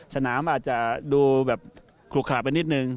สนามอาจจะดูแบบขลุกขาไปนิดนึง